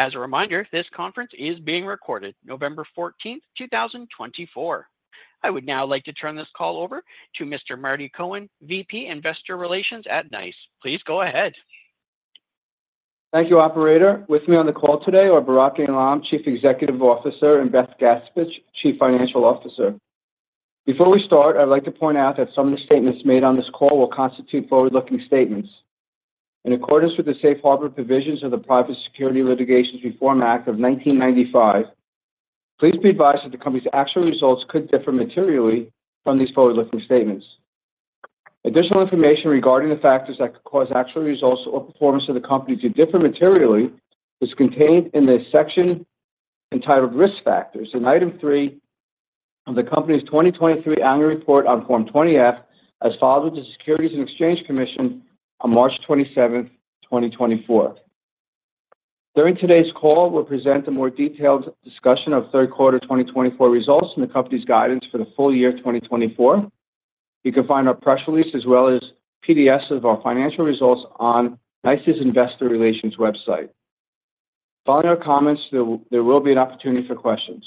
As a reminder, this conference is being recorded. November 14th, 2024. I would now like to turn this call over to Mr. Marty Cohen, VP Investor Relations at NICE. Please go ahead. Thank you, Operator. With me on the call today are Barak Eilam, Chief Executive Officer, and Beth Gaspich, Chief Financial Officer. Before we start, I'd like to point out that some of the statements made on this call will constitute forward-looking statements. In accordance with the Safe Harbor Provisions of the Private Securities Litigation Reform Act of 1995, please be advised that the company's actual results could differ materially from these forward-looking statements. Additional information regarding the factors that could cause actual results or performance of the company to differ materially is contained in the section entitled Risk Factors, in Item 3 of the company's 2023 Annual Report on Form 20-F, as filed with the Securities and Exchange Commission on March 27th, 2024. During today's call, we'll present a more detailed discussion of Q3 2024 results and the company's guidance for the full year 2024. You can find our press release as well as PDFs of our financial results on NICE's Investor Relations website. Following our comments, there will be an opportunity for questions.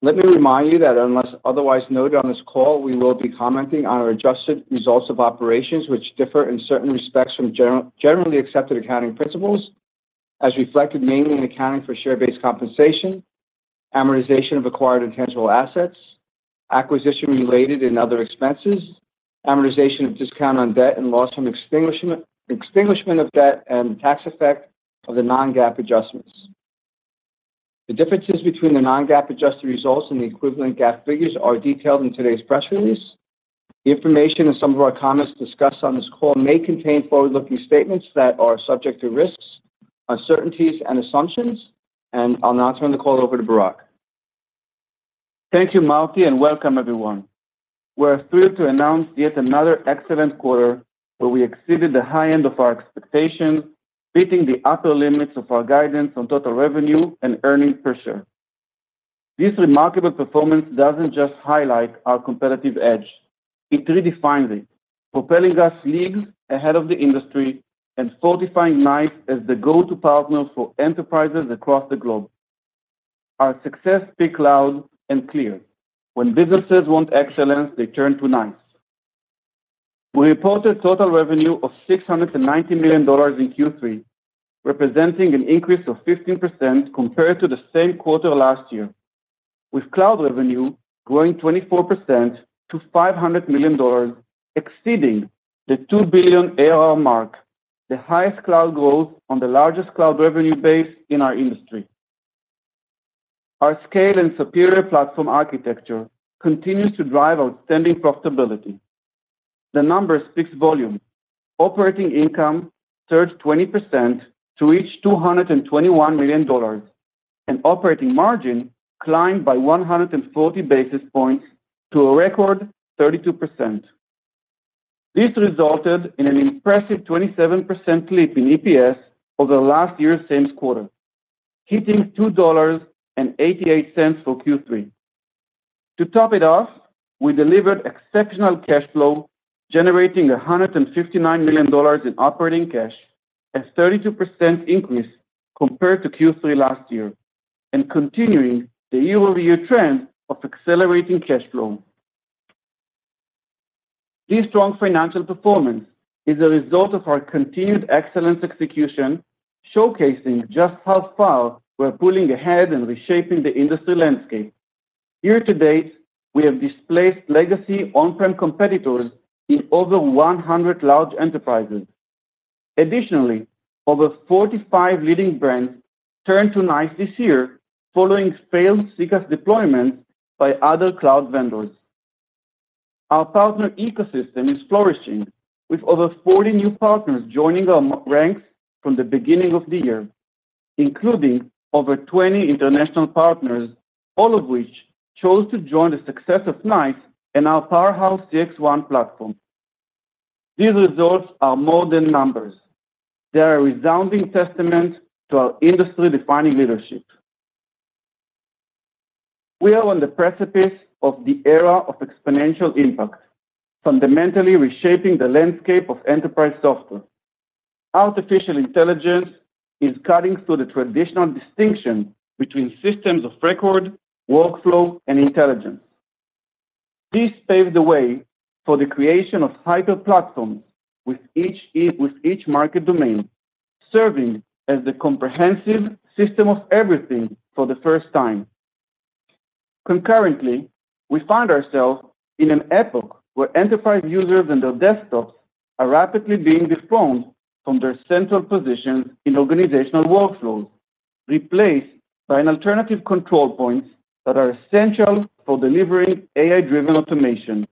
Let me remind you that unless otherwise noted on this call, we will be commenting on our adjusted results of operations, which differ in certain respects from generally accepted accounting principles, as reflected mainly in accounting for share-based compensation, amortization of acquired intangible assets, acquisition-related and other expenses, amortization of discount on debt and loss from extinguishment of debt, and the tax effect of the non-GAAP adjustments. The differences between the non-GAAP adjusted results and the equivalent GAAP figures are detailed in today's press release. The information and some of our comments discussed on this call may contain forward-looking statements that are subject to risks, uncertainties, and assumptions, and I'll now turn the call over to Barak. Thank you, Marty, and welcome, everyone. We're thrilled to announce yet another excellent quarter where we exceeded the high end of our expectations, beating the upper limits of our guidance on total revenue and earnings per share. This remarkable performance doesn't just highlight our competitive edge. It redefines it, propelling us leagues ahead of the industry and fortifying NICE as the go-to partner for enterprises across the globe. Our success speaks loud and clear. When businesses want excellence, they turn to NICE. We reported total revenue of $690 million in Q3, representing an increase of 15% compared to the same quarter last year, with cloud revenue growing 24% to $500 million, exceeding the $2 billion ARR mark, the highest cloud growth on the largest cloud revenue base in our industry. Our scale and superior platform architecture continue to drive outstanding profitability. The numbers speak volume. Operating income surged 20% to reach $221 million, and operating margin climbed by 140 basis points to a record 32%. This resulted in an impressive 27% leap in EPS over last year's same quarter, hitting $2.88 for Q3. To top it off, we delivered exceptional cash flow, generating $159 million in operating cash, a 32% increase compared to Q3 last year, and continuing the year-over-year trend of accelerating cash flow. This strong financial performance is a result of our continued excellent execution, showcasing just how far we're pulling ahead and reshaping the industry landscape. Year to date, we have displaced legacy on-prem competitors in over 100 large enterprises. Additionally, over 45 leading brands turned to NICE this year, following failed CCaaS deployments by other cloud vendors. Our partner ecosystem is flourishing, with over 40 new partners joining our ranks from the beginning of the year, including over 20 international partners, all of which chose to join the success of NICE and our powerhouse CXone platform. These results are more than numbers. They're a resounding testament to our industry-defining leadership. We are on the precipice of the era of exponential impact, fundamentally reshaping the landscape of enterprise software. Artificial intelligence is cutting through the traditional distinction between systems of record, workflow, and intelligence. This paved the way for the creation of hyper-platforms with each market domain, serving as the comprehensive system of everything for the first time. Concurrently, we find ourselves in an epoch where enterprise users and their desktops are rapidly being dethroned from their central positions in organizational workflows, replaced by alternative control points that are essential for delivering AI-driven automation.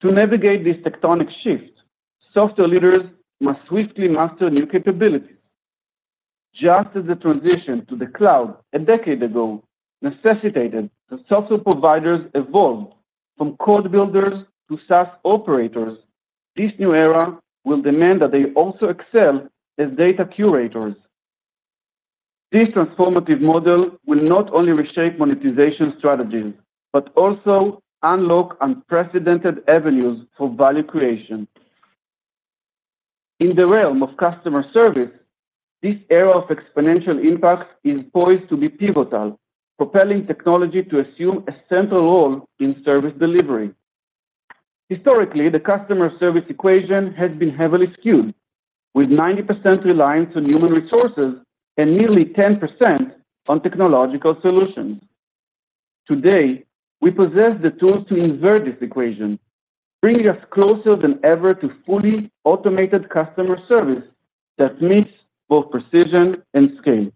To navigate this tectonic shift, software leaders must swiftly master new capabilities. Just as the transition to the cloud a decade ago necessitated that software providers evolved from code builders to SaaS operators, this new era will demand that they also excel as data curators. This transformative model will not only reshape monetization strategies but also unlock unprecedented avenues for value creation. In the realm of customer service, this era of exponential impact is poised to be pivotal, propelling technology to assume a central role in service delivery. Historically, the customer service equation has been heavily skewed, with 90% reliance on human resources and nearly 10% on technological solutions. Today, we possess the tools to invert this equation, bringing us closer than ever to fully automated customer service that meets both precision and scale.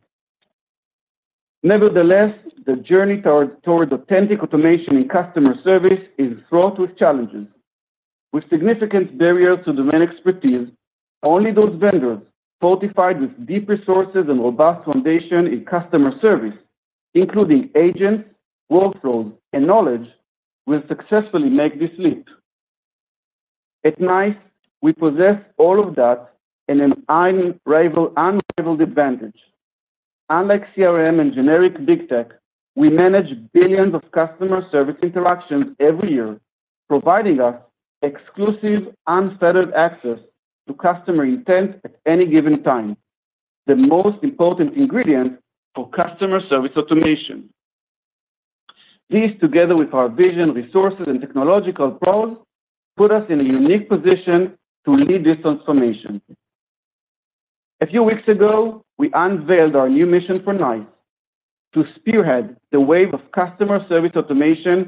Nevertheless, the journey toward authentic automation in customer service is fraught with challenges. With significant barriers to domain expertise, only those vendors fortified with deep resources and robust foundation in customer service, including agents, workflows, and knowledge, will successfully make this leap. At NICE, we possess all of that and an unrivaled advantage. Unlike CRM and generic big tech, we manage billions of customer service interactions every year, providing us exclusive unfettered access to customer intent at any given time, the most important ingredient for customer service automation. This, together with our vision, resources, and technological prowess, puts us in a unique position to lead this transformation. A few weeks ago, we unveiled our new mission for NICE: to spearhead the wave of customer service automation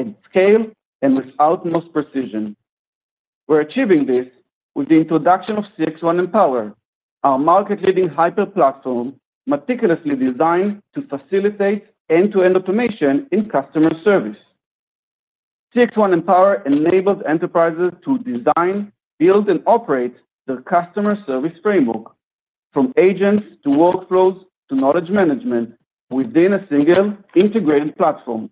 at scale and with utmost precision. We're achieving this with the introduction of CXone Empower, our market-leading hyper-platform meticulously designed to facilitate end-to-end automation in customer service. CXone Empower enables enterprises to design, build, and operate the customer service framework, from agents to workflows to knowledge management, within a single integrated platform.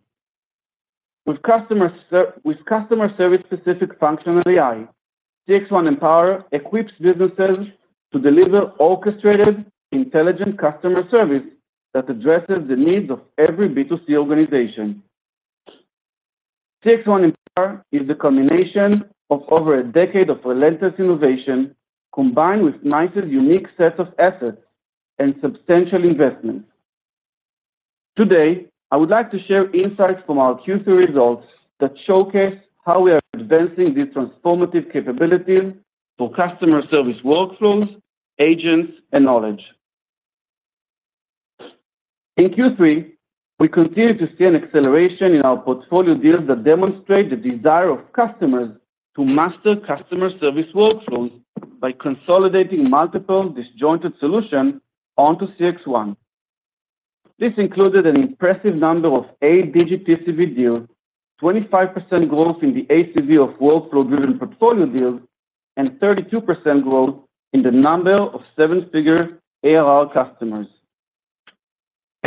With customer service-specific functional AI, CXone Empower equips businesses to deliver orchestrated, intelligent customer service that addresses the needs of every B2C organization. CXone Empower is the culmination of over a decade of relentless innovation, combined with NICE's unique set of assets and substantial investments. Today, I would like to share insights from our Q3 results that showcase how we are advancing these transformative capabilities for customer service workflows, agents, and knowledge. In Q3, we continue to see an acceleration in our portfolio deals that demonstrate the desire of customers to master customer service workflows by consolidating multiple disjointed solutions onto CXone. This included an impressive number of eight-digit TCV deals, 25% growth in the ACV of workflow-driven portfolio deals, and 32% growth in the number of seven-figure ARR customers.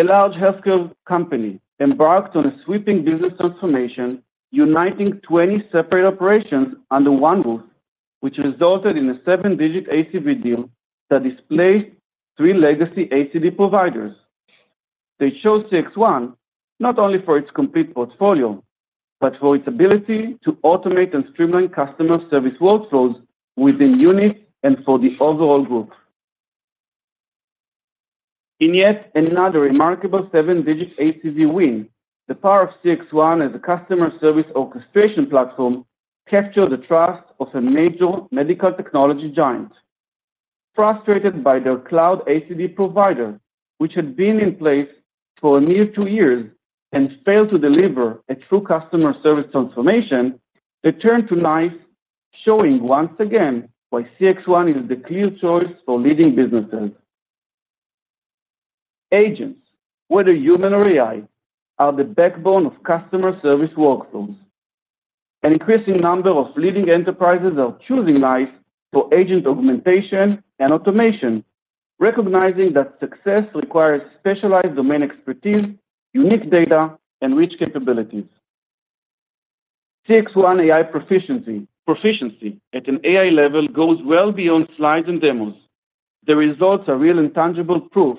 A large healthcare company embarked on a sweeping business transformation, uniting 20 separate operations under one roof, which resulted in a seven-digit ACV deal that displaced three legacy ACV providers. They chose CXone not only for its complete portfolio but for its ability to automate and streamline customer service workflows within units and for the overall group. In yet another remarkable seven-digit ACV win, the power of CXone as a customer service orchestration platform captured the trust of a major medical technology giant. Frustrated by their cloud ACV provider, which had been in place for a mere two years and failed to deliver a true customer service transformation, they turned to NICE, showing once again why CXone is the clear choice for leading businesses. Agents, whether human or AI, are the backbone of customer service workflows. An increasing number of leading enterprises are choosing NICE for agent augmentation and automation, recognizing that success requires specialized domain expertise, unique data, and rich capabilities. CXone AI proficiency at an AI level goes well beyond slides and demos. The results are real and tangible proof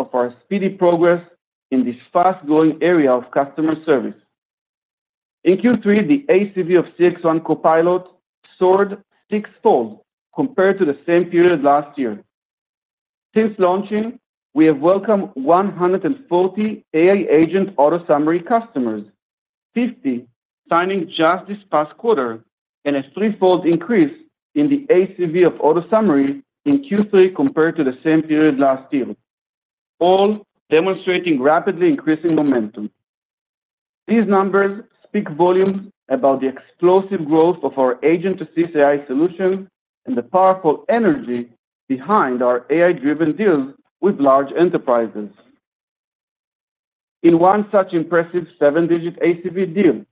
of our speedy progress in this fast-growing area of customer service. In Q3, the ACV of CXone Copilot soared sixfold compared to the same period last year. Since launching, we have welcomed 140 AI agent AutoSummary customers, 50 signing just this past quarter, and a threefold increase in the ACV of AutoSummary in Q3 compared to the same period last year, all demonstrating rapidly increasing momentum. These numbers speak volumes about the explosive growth of our Agentic AI solution and the powerful energy behind our AI-driven deals with large enterprises. In one such impressive seven-digit ACV deal,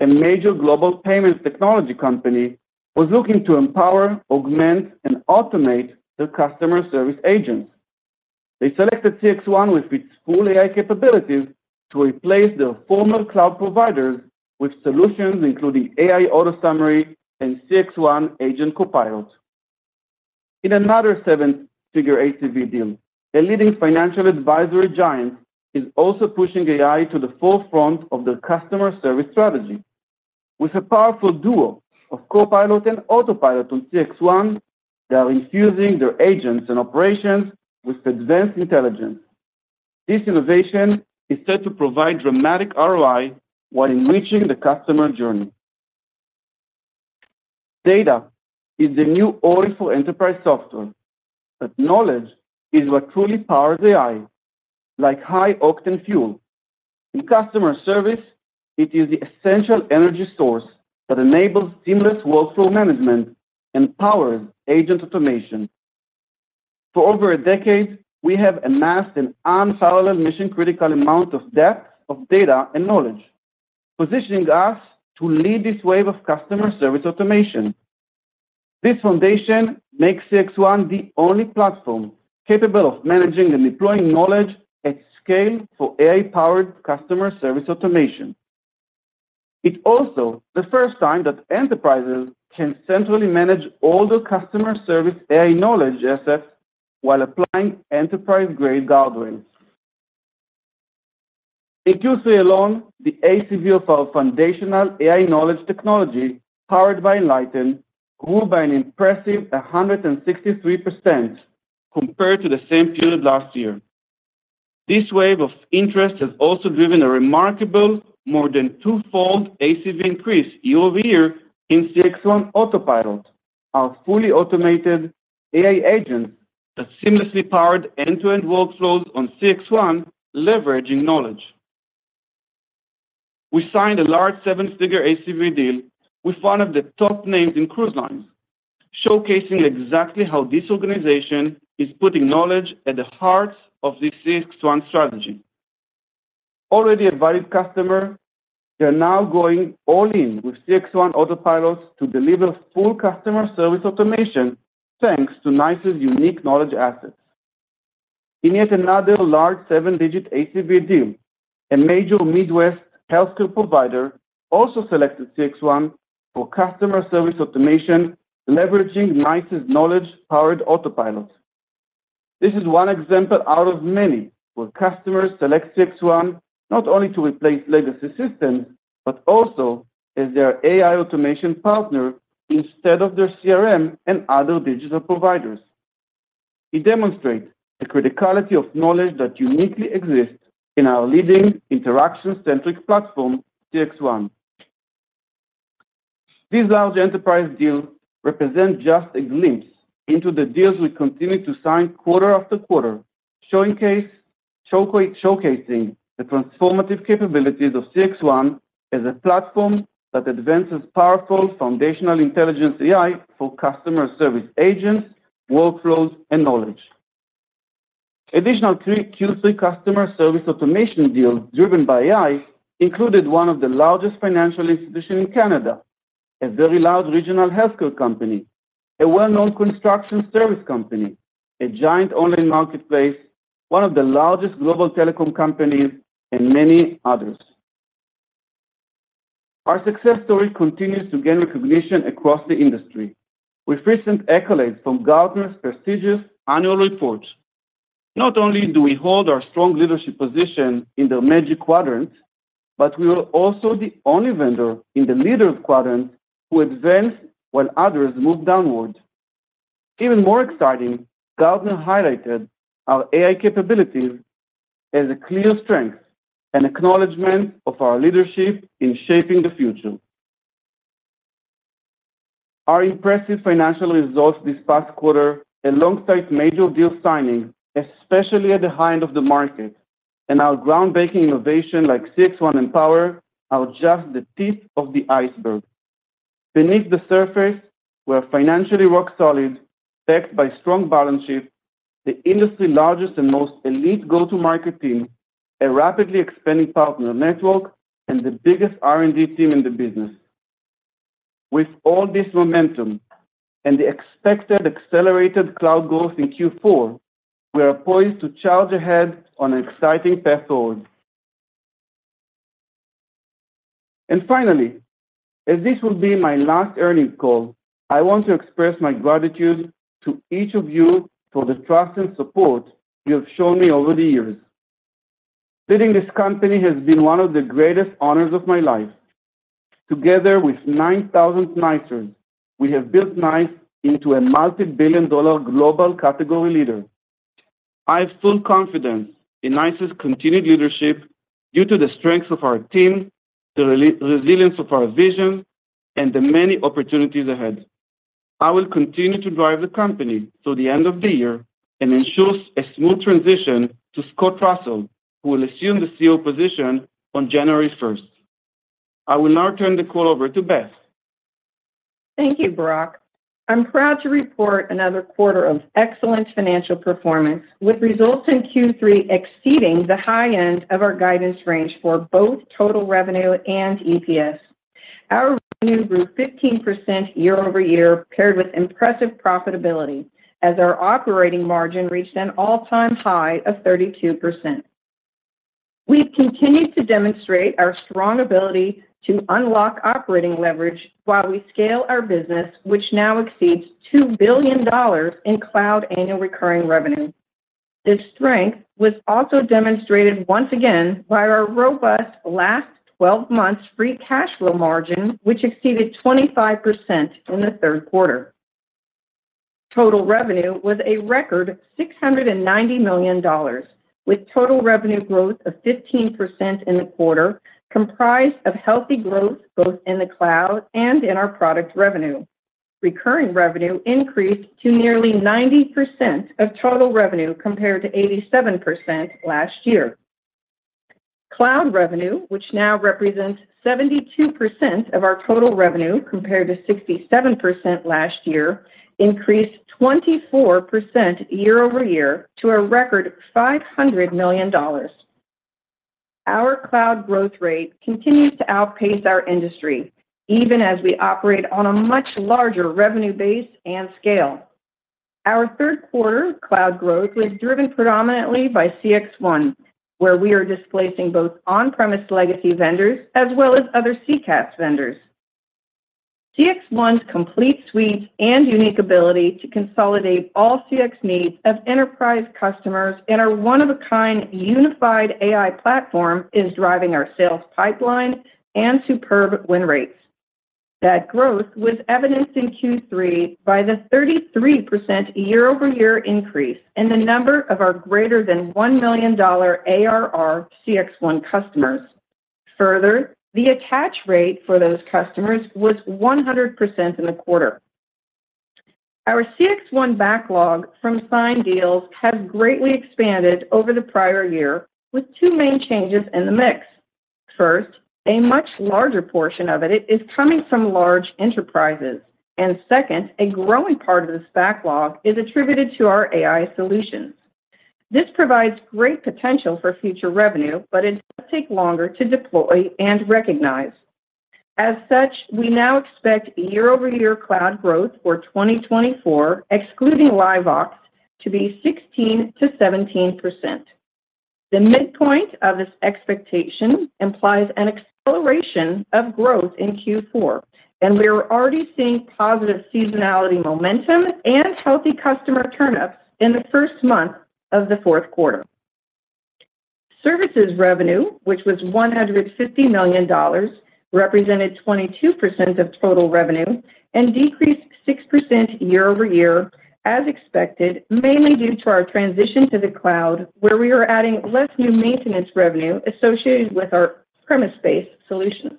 a major global payment technology company was looking to empower, augment, and automate their customer service agents. They selected CXone with its full AI capabilities to replace their former cloud providers with solutions including AI AutoSummary and CXoneAgent Copilot. In another seven-figure ACV deal, a leading financial advisory giant is also pushing AI to the forefront of their customer service strategy. With a powerful duo of Copilot and Autopilot on CXone, they are infusing their agents and operations with advanced intelligence. This innovation is set to provide dramatic ROI while enriching the customer journey. Data is the new oil for enterprise software, but knowledge is what truly powers AI, like high-octane fuel. In customer service, it is the essential energy source that enables seamless workflow management and powers agent automation. For over a decade, we have amassed an unparalleled mission-critical amount of depth of data and knowledge, positioning us to lead this wave of customer service automation. This foundation makes CXone the only platform capable of managing and deploying knowledge at scale for AI-powered customer service automation. It's also the first time that enterprises can centrally manage all their customer service AI knowledge assets while applying enterprise-grade guidelines. In Q3 alone, the ACV of our foundational AI knowledge technology powered by Enlighten grew by an impressive 163% compared to the same period last year. This wave of interest has also driven a remarkable, more than twofold ACV increase year-over-year in CXone Autopilot, our fully automated AI agents that seamlessly powered end-to-end workflows on CXone, leveraging knowledge. We signed a large seven-figure ACV deal with one of the top names in Cruise Lines, showcasing exactly how this organization is putting knowledge at the heart of the CXone strategy. Already a valued customer, they're now going all in with CXone1 Autopilot to deliver full customer service automation thanks to NICE's unique knowledge assets. In yet another large seven-digit ACV deal, a major Midwest healthcare provider also selected CXone for customer service automation, leveraging NICE's knowledge-powered Autopilot. This is one example out of many where customers select CXone not only to replace legacy systems but also as their AI automation partner instead of their CRM and other digital providers. It demonstrates the criticality of knowledge that uniquely exists in our leading interaction-centric platform, CXone. These large enterprise deals represent just a glimpse into the deals we continue to sign quarter-after quarter, showcasing the transformative capabilities of CXone as a platform that advances powerful foundational intelligence AI for customer service agents, workflows, and knowledge. Additional Q3 customer service automation deals driven by AI included one of the largest financial institutions in Canada, a very large regional healthcare company, a well-known construction service company, a giant online marketplace, one of the largest global telecom companies, and many others. Our success story continues to gain recognition across the industry, with recent accolades from Gartner's prestigious annual report. Not only do we hold our strong leadership position in the Magic Quadrant, but we are also the only vendor in the Leader quadrant who advanced while others moved downward. Even more exciting, Gartner highlighted our AI capabilities as a clear strength and acknowledgment of our leadership in shaping the future. Our impressive financial results this past quarter, alongside major deal signings, especially at the high end of the market, and our groundbreaking innovation like CXone Empower are just the tip of the iceberg. Beneath the surface, we are financially rock solid, backed by strong balance sheets, the industry's largest and most elite go-to-market team, a rapidly expanding partner network, and the biggest R&D team in the business. With all this momentum and the expected accelerated cloud growth in Q4, we are poised to charge ahead on an exciting path forward. Finally, as this will be my last earnings call, I want to express my gratitude to each of you for the trust and support you have shown me over the years. Leading this company has been one of the greatest honors of my life. Together with 9,000 NICErs, we have built NICE into a multi-billion-dollar global category leader. I have full confidence in NICE's continued leadership due to the strengths of our team, the resilience of our vision, and the many opportunities ahead. I will continue to drive the company through the end of the year and ensure a smooth transition to Scott Russell, who will assume the CEO position on January 1st. I will now turn the call over to Beth. Thank you, Barak. I'm proud to report another quarter of excellent financial performance, with results in Q3 exceeding the high end of our guidance range for both total revenue and EPS. Our revenue grew 15% year-over-year, paired with impressive profitability, as our operating margin reached an all-time high of 32%. We've continued to demonstrate our strong ability to unlock operating leverage while we scale our business, which now exceeds $2 billion in cloud annual recurring revenue. This strength was also demonstrated once again by our robust last 12 months free cash flow margin, which exceeded 25% in the Q3. Total revenue was a record $690 million, with total revenue growth of 15% in the quarter, comprised of healthy growth both in the cloud and in our product revenue. Recurring revenue increased to nearly 90% of total revenue compared to 87% last year. Cloud revenue, which now represents 72% of our total revenue compared to 67% last year, increased 24% year-over-year to a record $500 million. Our cloud growth rate continues to outpace our industry, even as we operate on a much larger revenue base and scale. Our Q3 cloud growth was driven predominantly by CXone, where we are displacing both on-premise legacy vendors as well as other CCaaS vendors. CXone's complete suite and unique ability to consolidate all CX needs of enterprise customers and our one-of-a-kind unified AI platform is driving our sales pipeline and superb win rates. That growth was evidenced in Q3 by the 33% year-over-year increase in the number of our greater than $1 million ARR CXone customers. Further, the attach rate for those customers was 100% in the quarter. Our CXone backlog from signed deals has greatly expanded over the prior year, with two main changes in the mix. First, a much larger portion of it is coming from large enterprises. And second, a growing part of this backlog is attributed to our AI solutions. This provides great potential for future revenue, but it does take longer to deploy and recognize. As such, we now expect year-over-year cloud growth for 2024, excluding LiveVox, to be 16%-17%. The midpoint of this expectation implies an acceleration of growth in Q4, and we are already seeing positive seasonality momentum and healthy customer turnouts in the first month of the Q4. Services revenue, which was $150 million, represented 22% of total revenue and decreased 6% year-over-year, as expected, mainly due to our transition to the cloud, where we are adding less new maintenance revenue associated with our on-premise solutions.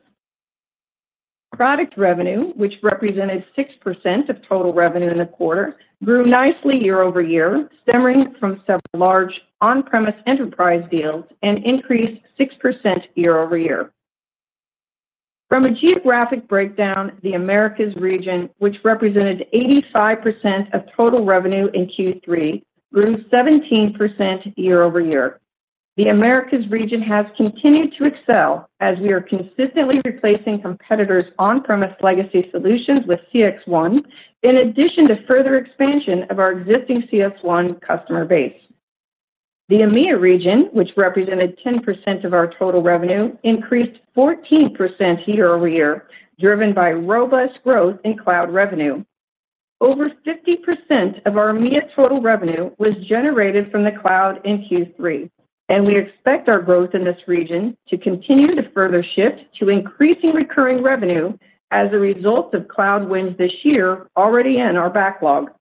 Product revenue, which represented 6% of total revenue in the quarter, grew nicely year-over-year, stemming from several large on-premise enterprise deals, and increased 6% year-over-year. From a geographic breakdown, the Americas region, which represented 85% of total revenue in Q3, grew 17% year-over-year. The Americas region has continued to excel as we are consistently replacing competitors' on-premise legacy solutions with CXone, in addition to further expansion of our existing CXone customer base. The EMEA region, which represented 10% of our total revenue, increased 14% year-over-year, driven by robust growth in cloud revenue. Over 50% of our EMEA total revenue was generated from the cloud in Q3, and we expect our growth in this region to continue to further shift to increasing recurring revenue as a result of cloud wins this year already in our backlog.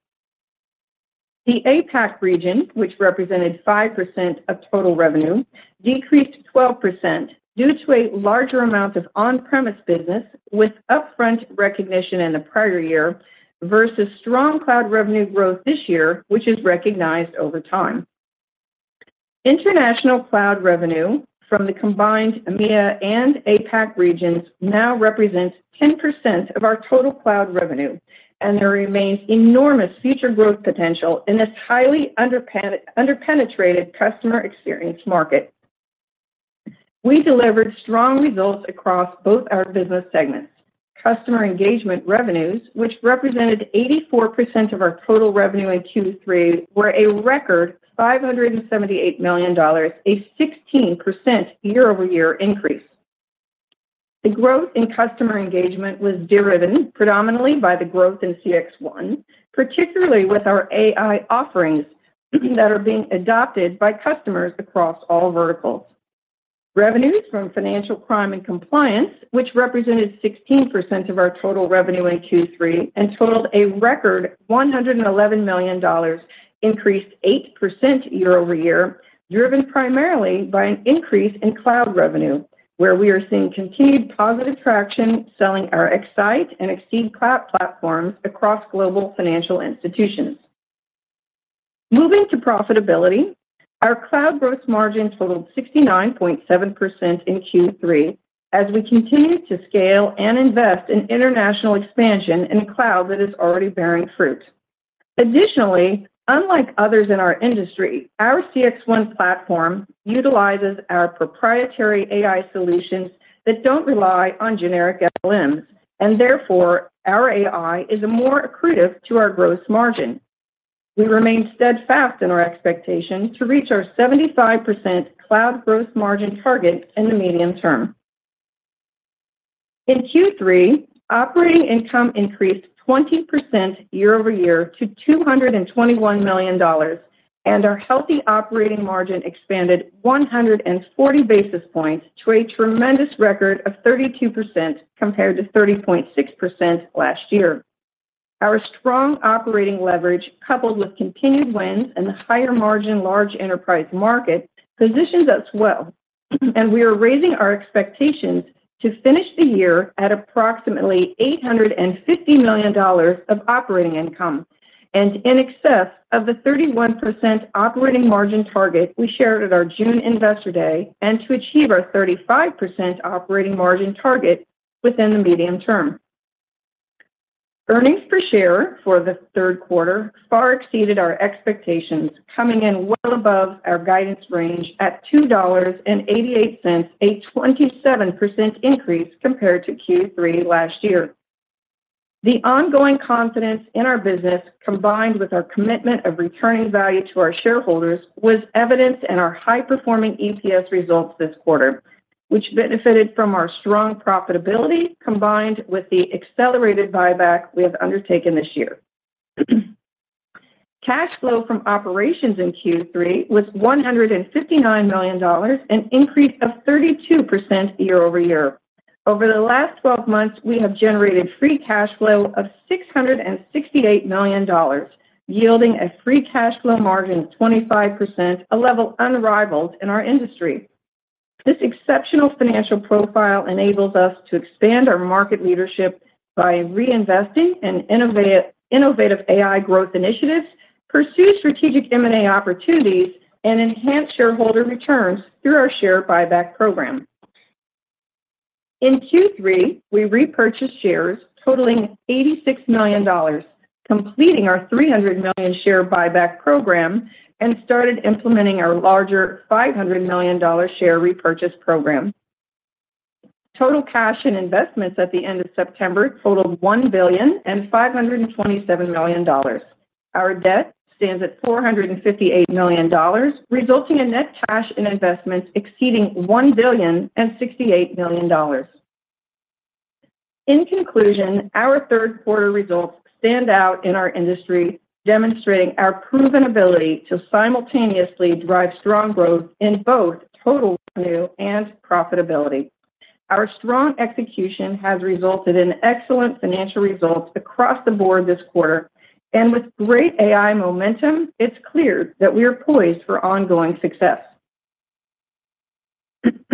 The APAC region, which represented 5% of total revenue, decreased 12% due to a larger amount of on-premise business with upfront recognition in the prior year versus strong cloud revenue growth this year, which is recognized over time. International cloud revenue from the combined EMEA and APAC regions now represents 10% of our total cloud revenue, and there remains enormous future growth potential in this highly underpenetrated customer experience market. We delivered strong results across both our business segments. Customer engagement revenues, which represented 84% of our total revenue in Q3, were a record $578 million, a 16% year-over-year increase. The growth in customer engagement was driven predominantly by the growth in CXone, particularly with our AI offerings that are being adopted by customers across all verticals. Revenues from financial crime and compliance, which represented 16% of our total revenue in Q3 and totaled a record $111 million, increased 8% year-over-year, driven primarily by an increase in cloud revenue, where we are seeing continued positive traction selling our X-Sight and Xceed Cloud platforms across global financial institutions. Moving to profitability, our cloud gross margin totaled 69.7% in Q3 as we continue to scale and invest in international expansion in cloud that is already bearing fruit. Additionally, unlike others in our industry, our CXone platform utilizes our proprietary AI solutions that don't rely on generic LLMs, and therefore our AI is more accretive to our gross margin. We remain steadfast in our expectation to reach our 75% cloud gross margin target in the medium term. In Q3, operating income increased 20% year-over-year to $221 million, and our healthy operating margin expanded 140 basis points to a tremendous record of 32% compared to 30.6% last year. Our strong operating leverage, coupled with continued wins and the higher margin large enterprise market, positions us well, and we are raising our expectations to finish the year at approximately $850 million of operating income and in excess of the 31% operating margin target we shared at our June Investor Day and to achieve our 35% operating margin target within the medium term. Earnings per share for the Q3 far exceeded our expectations, coming in well above our guidance range at $2.88, a 27% increase compared to Q3 last year. The ongoing confidence in our business, combined with our commitment of returning value to our shareholders, was evident in our high-performing EPS results this quarter, which benefited from our strong profitability combined with the accelerated buyback we have undertaken this year. Cash flow from operations in Q3 was $159 million, an increase of 32% year-over-year. Over the last 12 months, we have generated free cash flow of $668 million, yielding a free cash flow margin of 25%, a level unrivaled in our industry. This exceptional financial profile enables us to expand our market leadership by reinvesting in innovative AI growth initiatives, pursue strategic M&A opportunities, and enhance shareholder returns through our share buyback program. In Q3, we repurchased shares totaling $86 million, completing our $300 million share buyback program, and started implementing our larger $500 million share repurchase program. Total cash and investments at the end of September totaled $1 billion and $527 million. Our debt stands at $458 million, resulting in net cash and investments exceeding $1 billion and $68 million. In conclusion, our Q3 results stand out in our industry, demonstrating our proven ability to simultaneously drive strong growth in both total revenue and profitability. Our strong execution has resulted in excellent financial results across the board this quarter, and with great AI momentum, it's clear that we are poised for ongoing success.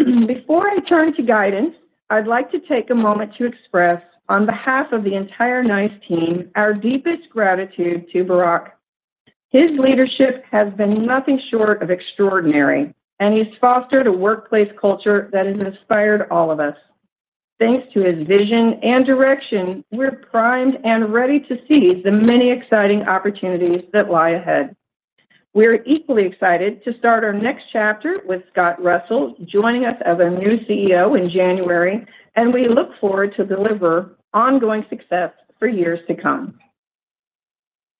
Before I turn to guidance, I'd like to take a moment to express, on behalf of the entire NICE team, our deepest gratitude to Barak. His leadership has been nothing short of extraordinary, and he's fostered a workplace culture that has inspired all of us. Thanks to his vision and direction, we're primed and ready to seize the many exciting opportunities that lie ahead. We are equally excited to start our next chapter with Scott Russell joining us as our new CEO in January, and we look forward to deliver ongoing success for years to come.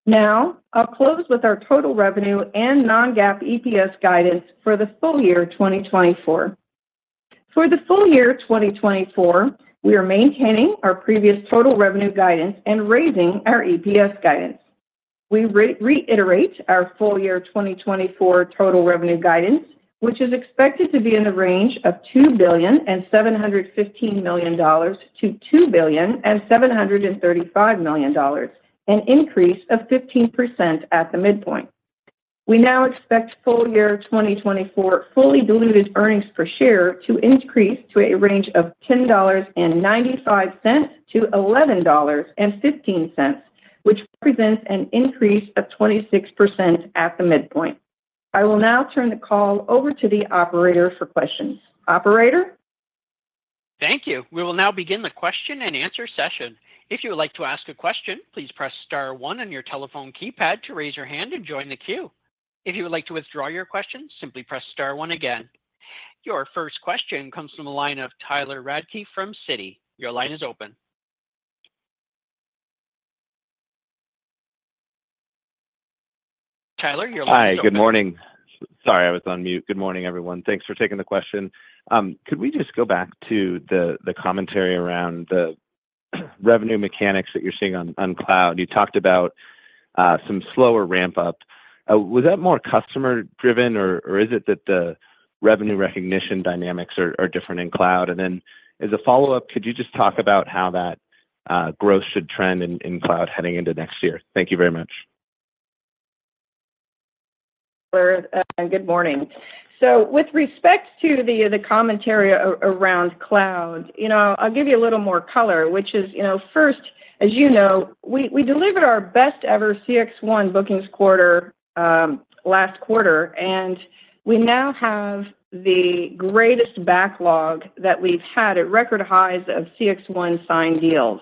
Now, I'll close with our total revenue and non-GAAP EPS guidance for the full year 2024. For the full year 2024, we are maintaining our previous total revenue guidance and raising our EPS guidance. We reiterate our full year 2024 total revenue guidance, which is expected to be in the range of $2 billion and $715 million to $2 billion and $735 million, an increase of 15% at the midpoint. We now expect full year 2024 fully diluted earnings per share to increase to a range of $10.95-$11.15, which represents an increase of 26% at the midpoint. I will now turn the call over to the operator for questions. Operator? Thank you. We will now begin the question and answer session. If you would like to ask a question, please press star one on your telephone keypad to raise your hand and join the queue. If you would like to withdraw your question, simply press star one again. Your first question comes from the line of Tyler Radke from Citi. Your line is open. Tyler, your line is open. Hi, good morning. Sorry, I was on mute. Good morning, everyone. Thanks for taking the question. Could we just go back to the commentary around the revenue mechanics that you're seeing on cloud? You talked about some slower ramp-up. Was that more customer-driven, or is it that the revenue recognition dynamics are different in cloud? And then, as a follow-up, could you just talk about how that growth should trend in cloud heading into next year? Thank you very much. Good morning. So, with respect to the commentary around cloud, I'll give you a little more color, which is, first, as you know, we delivered our best-ever CXone bookings quarter last quarter, and we now have the greatest backlog that we've had at record highs of CXone signed deals.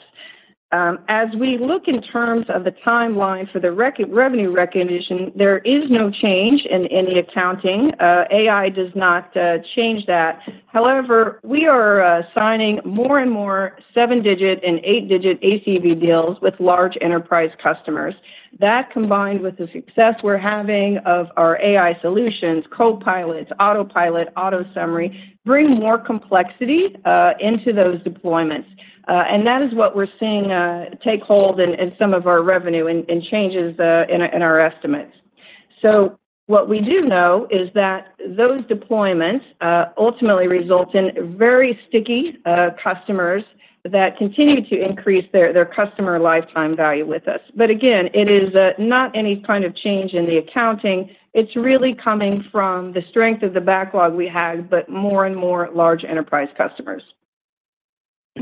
As we look in terms of the timeline for the revenue recognition, there is no change in the accounting. AI does not change that. However, we are signing more and more seven-digit and eight-digit ACV deals with large enterprise customers. That, combined with the success we're having of our AI solutions, Copilot, Autopilot, AutoSummary, bring more complexity into those deployments. That is what we're seeing take hold in some of our revenue and changes in our estimates. What we do know is that those deployments ultimately result in very sticky customers that continue to increase their customer lifetime value with us. Again, it is not any kind of change in the accounting. It's really coming from the strength of the backlog we had, but more and more large enterprise customers.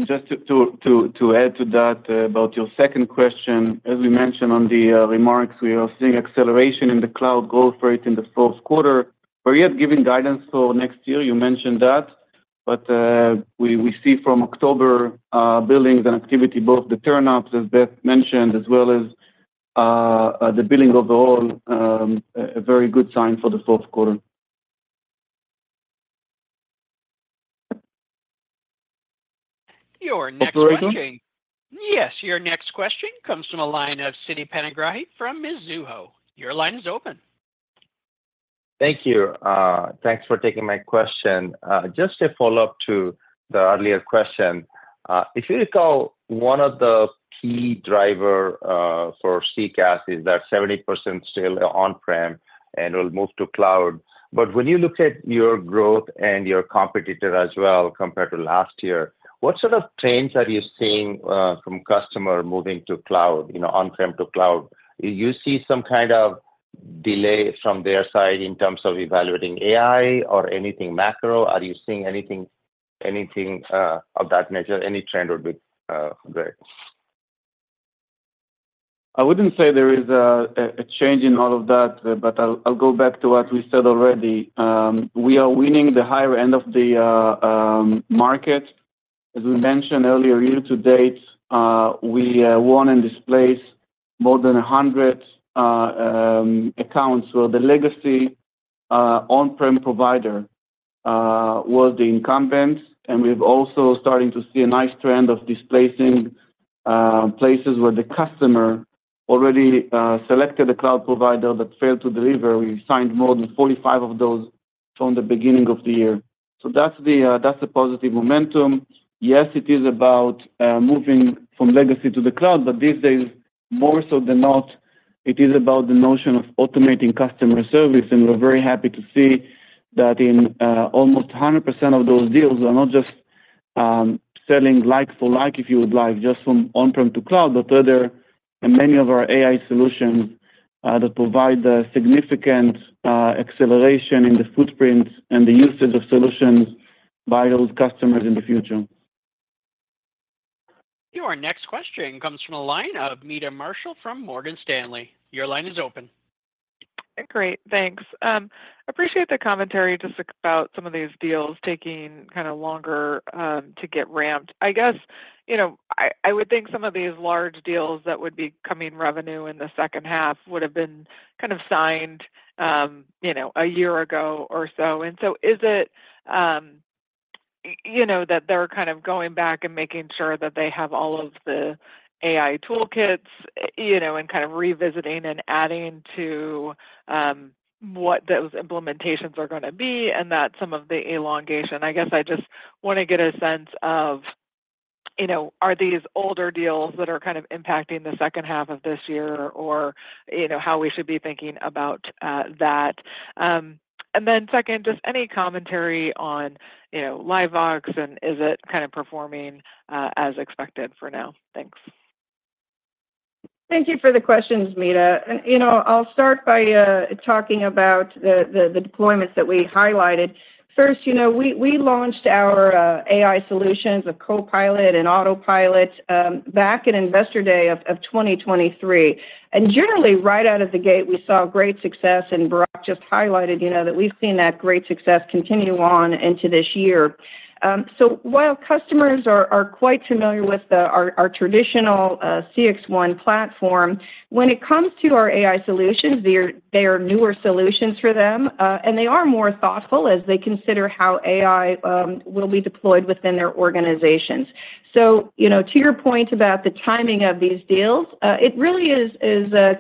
Just to add to that about your second question, as we mentioned in the remarks, we are seeing acceleration in the cloud growth rate in the Q4. We're yet to give guidance for next year. You mentioned that. We see from October billings and activity, both the bookings, as Beth mentioned, as well as the billing overall, a very good sign for the Q4. Your next question? Operator? Yes, your next question comes from a line of Siti Panigrahi from Mizuho. Your line is open. Thank you. Thanks for taking my question. Just a follow-up to the earlier question. If you recall, one of the key drivers for CCaaS is that 70% still on-prem and will move to cloud. But when you look at your growth and your competitor as well compared to last year, what sort of trends are you seeing from customers moving to cloud, on-prem to cloud? Do you see some kind of delay from their side in terms of evaluating AI or anything macro? Are you seeing anything of that nature? Any trend would be great. I wouldn't say there is a change in all of that, but I'll go back to what we said already. We are winning the higher end of the market. As we mentioned earlier, year to date, we won and displaced more than 100 accounts where the legacy on-prem provider was the incumbent. And we're also starting to see a nice trend of displacing places where the customer already selected a cloud provider that failed to deliver. We signed more than 45 of those from the beginning of the year. So that's the positive momentum. Yes, it is about moving from legacy to the cloud, but these days, more so than not, it is about the notion of automating customer service. And we're very happy to see that in almost 100% of those deals, we're not just selling like-for-like, if you would like, just from on-prem to cloud, but rather many of our AI solutions that provide significant acceleration in the footprint and the usage of solutions by those customers in the future. Your next question comes from a line of Meta Marshall from Morgan Stanley. Your line is open. Great. Thanks. I appreciate the commentary just about some of these deals taking kind of longer to get ramped. I guess I would think some of these large deals that would be coming revenue in the second half would have been kind of signed a year ago or so. And so is it that they're kind of going back and making sure that they have all of the AI toolkits and kind of revisiting and adding to what those implementations are going to be and that some of the elongation? I guess I just want to get a sense of, are these older deals that are kind of impacting the second half of this year or how we should be thinking about that? And then second, just any commentary on LiveVox, and is it kind of performing as expected for now? Thanks. Thank you for the questions, Meta. I'll start by talking about the deployments that we highlighted. First, we launched our AI solutions of Copilot and Autopilot back at Investor Day of 2023. Generally, right out of the gate, we saw great success. Barak just highlighted that we've seen that great success continue on into this year. While customers are quite familiar with our traditional CXone platform, when it comes to our AI solutions, they are newer solutions for them, and they are more thoughtful as they consider how AI will be deployed within their organizations. To your point about the timing of these deals, it really is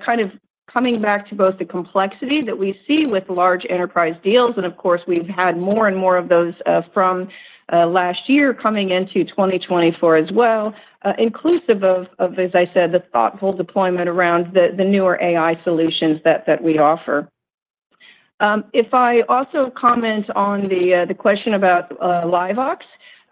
kind of coming back to both the complexity that we see with large enterprise deals. Of course, we've had more and more of those from last year coming into 2024 as well, inclusive of, as I said, the thoughtful deployment around the newer AI solutions that we offer. If I also comment on the question about LiveVox,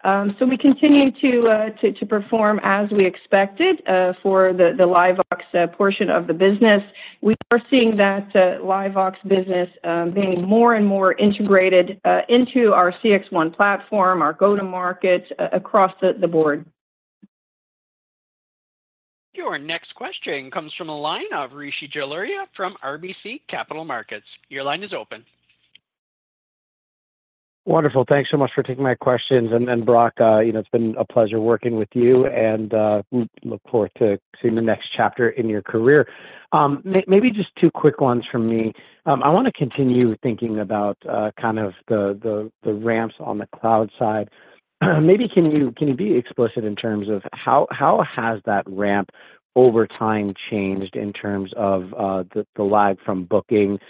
so we continue to perform as we expected for the LiveVox portion of the business. We are seeing that LiveVox business being more and more integrated into our CXone platform, our go-to-market across the board. Your next question comes from a line of Rishi Jalaria from RBC Capital Markets. Your line is open. Wonderful. Thanks so much for taking my questions. And Barak, it's been a pleasure working with you, and we look forward to seeing the next chapter in your career. Maybe just two quick ones from me. I want to continue thinking about kind of the ramps on the cloud side. Maybe can you be explicit in terms of how has that ramp over time changed in terms of the lag from booking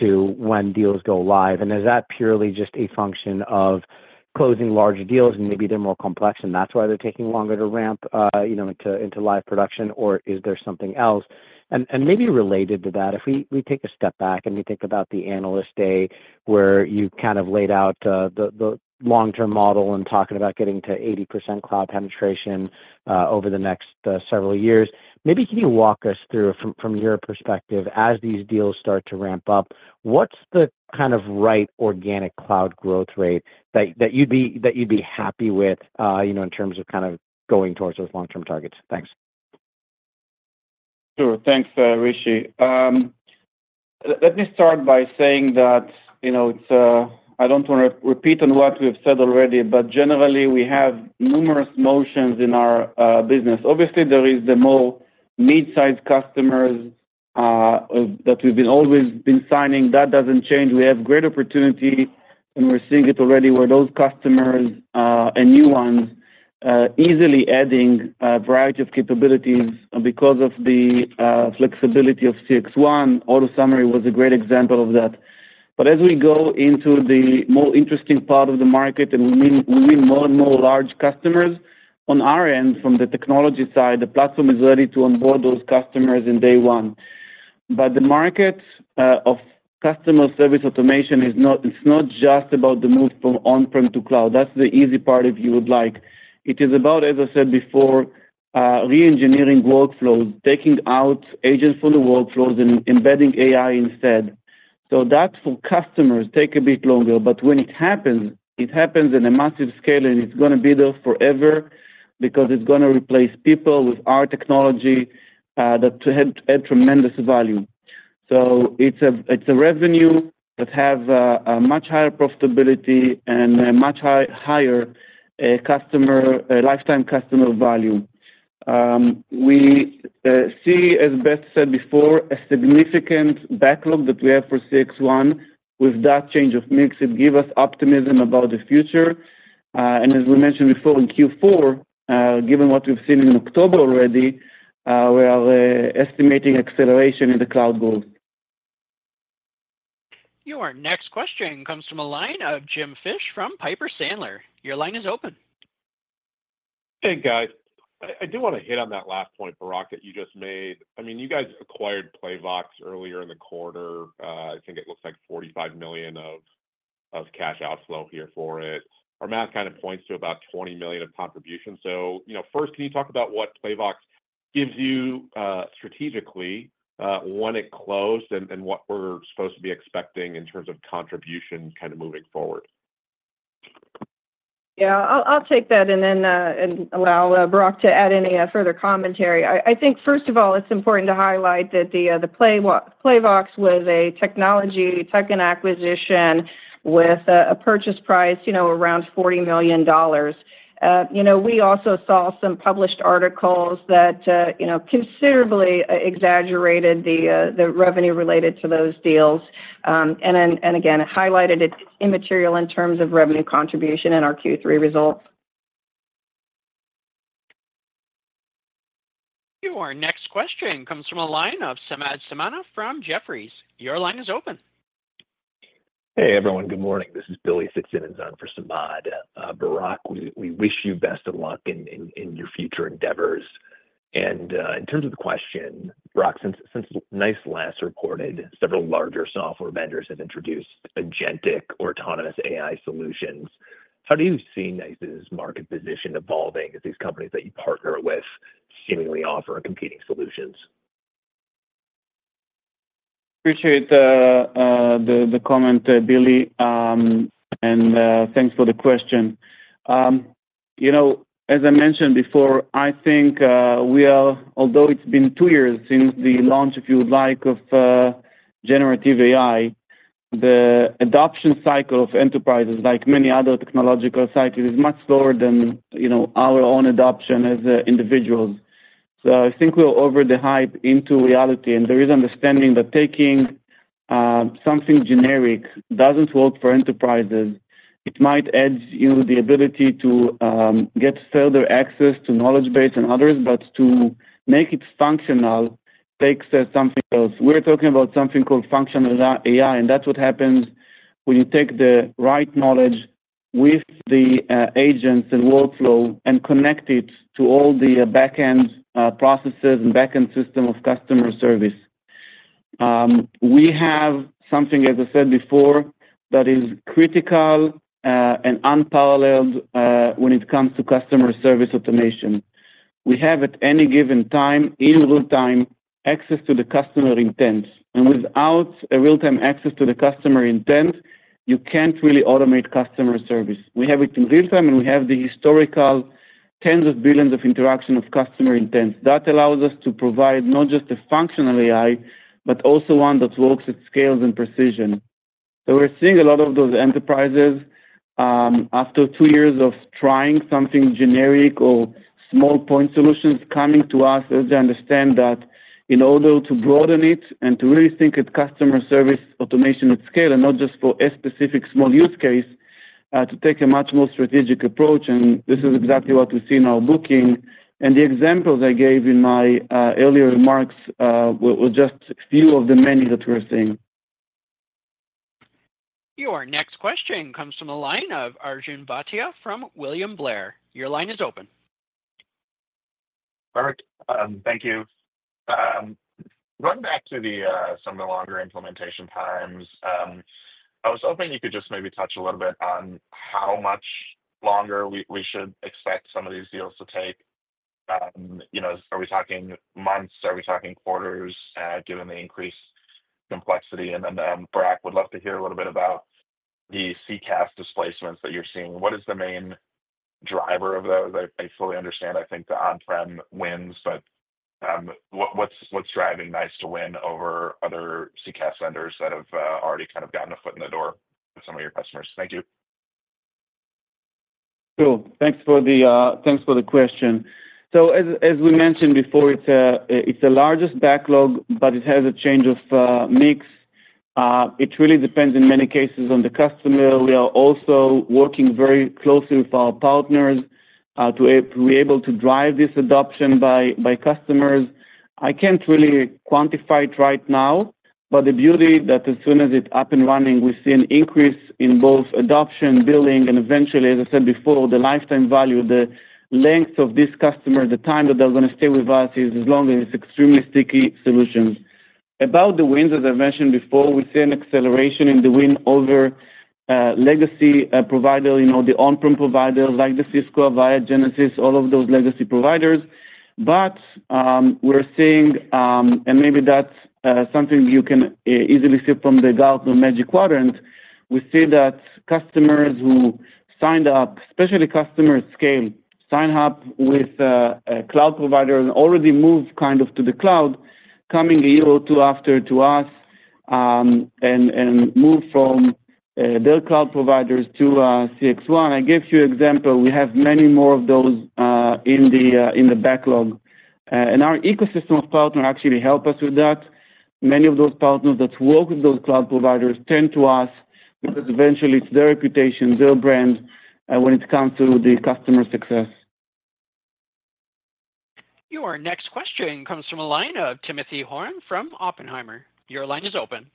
to when deals go live? And is that purely just a function of closing large deals and maybe they're more complex and that's why they're taking longer to ramp into live production, or is there something else? And maybe related to that, if we take a step back and we think about the Analyst Day where you kind of laid out the long-term model and talked about getting to 80% cloud penetration over the next several years, maybe can you walk us through, from your perspective, as these deals start to ramp up, what's the kind of right organic cloud growth rate that you'd be happy with in terms of kind of going towards those long-term targets? Thanks. Sure. Thanks, Rishi. Let me start by saying that I don't want to repeat on what we've said already, but generally, we have numerous motions in our business. Obviously, there are the more mid-size customers that we've always been signing. That doesn't change. We have great opportunity, and we're seeing it already where those customers and new ones are easily adding a variety of capabilities because of the flexibility of CXone. AutoSummary was a great example of that. But as we go into the more interesting part of the market and we win more and more large customers, on our end, from the technology side, the platform is ready to onboard those customers in day one. But the market of customer service automation is not just about the move from on-prem to cloud. That's the easy part if you would like. It is about, as I said before, re-engineering workflows, taking out agents from the workflows and embedding AI instead. So that, for customers, takes a bit longer. But when it happens, it happens on a massive scale, and it's going to be there forever because it's going to replace people with our technology that adds tremendous value. So it's a revenue that has a much higher profitability and a much higher lifetime customer value. We see, as Beth said before, a significant backlog that we have for CXone. With that change of mix, it gives us optimism about the future. And as we mentioned before in Q4, given what we've seen in October already, we are estimating acceleration in the cloud growth. Your next question comes from a line of Jim Fish from Piper Sandler. Your line is open. Hey, guys. I do want to hit on that last point, Barak, that you just made. I mean, you guys acquired Playvox earlier in the quarter. I think it looks like $45 million of cash outflow here for it. Our math kind of points to about $20 million of contribution. So first, can you talk about what Playvox gives you strategically when it closed and what we're supposed to be expecting in terms of contribution kind of moving forward? Yeah, I'll take that and then allow Barak to add any further commentary. I think, first of all, it's important to highlight that Playvox was a tech tuck-in acquisition with a purchase price around $40 million. We also saw some published articles that considerably exaggerated the revenue related to those deals and, again, highlighted it immaterial in terms of revenue contribution in our Q3 results. Your next question comes from a line of Samad Samana from Jefferies. Your line is open. Hey, everyone. Good morning. This is Billy Fitzsimmons in for Samad. Barak, we wish you best of luck in your future endeavors. And in terms of the question, Barak, since NICE last reported, several larger software vendors have introduced agentic or autonomous AI solutions. How do you see NICE's market position evolving as these companies that you partner with seemingly offer competing solutions? Appreciate the comment, Billy, and thanks for the question. As I mentioned before, I think we are, although it's been two years since the launch, if you would like, of generative AI, the adoption cycle of enterprises, like many other technological cycles, is much slower than our own adoption as individuals. So I think we're over the hype into reality. There is understanding that taking something generic doesn't work for enterprises. It might add the ability to get further access to knowledge base and others, but to make it functional takes something else. We're talking about something called functional AI, and that's what happens when you take the right knowledge with the agents and workflow and connect it to all the backend processes and backend system of customer service. We have something, as I said before, that is critical and unparalleled when it comes to customer service automation. We have, at any given time, in real-time, access to the customer intent. Without real-time access to the customer intent, you can't really automate customer service. We have it in real-time, and we have the historical tens of billions of interactions of customer intent. That allows us to provide not just a functional AI, but also one that works at scale and precision. So we're seeing a lot of those enterprises, after two years of trying something generic or small point solutions, coming to us as they understand that in order to broaden it and to really think about customer service automation at scale and not just for a specific small use case, to take a much more strategic approach. And this is exactly what we see in our bookings. And the examples I gave in my earlier remarks were just a few of the many that we're seeing. Your next question comes from a line of Arjun Bhatia from William Blair. Your line is open. Perfect. Thank you. Going back to some of the longer implementation times, I was hoping you could just maybe touch a little bit on how much longer we should expect some of these deals to take. Are we talking months? Are we talking quarters given the increased complexity? And then, Barak, would love to hear a little bit about the CCaaS displacements that you're seeing. What is the main driver of those? I fully understand, I think, the on-prem wins, but what's driving NICE to win over other CCaaS vendors that have already kind of gotten a foot in the door with some of your customers? Thank you. Cool. Thanks for the question. So as we mentioned before, it's the largest backlog, but it has a change of mix. It really depends in many cases on the customer. We are also working very closely with our partners to be able to drive this adoption by customers. I can't really quantify it right now, but the beauty that as soon as it's up and running, we see an increase in both adoption, billing, and eventually, as I said before, the lifetime value, the length of this customer, the time that they're going to stay with us is as long as it's extremely sticky solutions. About the wins, as I mentioned before, we see an acceleration in the wins over legacy providers, the on-prem providers like Cisco, Avaya, Genesys, all of those legacy providers. But we're seeing, and maybe that's something you can easily see from the Gartner Magic Quadrant. We see that customers who signed up, especially customers at scale, signed up with a cloud provider and already moved kind of to the cloud, coming a year or two after to us and moved from their cloud providers to CXone. I gave you an example. We have many more of those in the backlog, and our ecosystem of partners actually helped us with that. Many of those partners that work with those cloud providers turn to us because eventually it's their reputation, their brand when it comes to the customer success. Your next question comes from a line of Timothy Horan from Oppenheimer. Your line is open.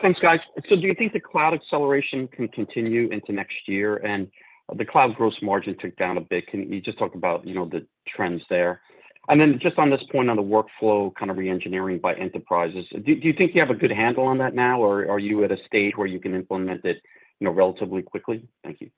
Thanks, guys. So do you think the cloud acceleration can continue into next year? And the cloud's gross margin took down a bit. Can you just talk about the trends there? And then just on this point on the workflow kind of re-engineering by enterprises, do you think you have a good handle on that now, or are you at a stage where you can implement it relatively quickly? Thank you.